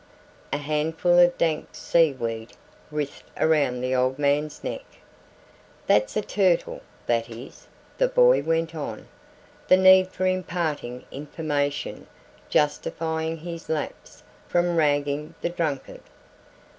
A handful of dank sea weed writhed around the old man's neck. "That's a turtle, that is," the boy went on, the need for imparting information justifying his lapse from ragging the drunkard.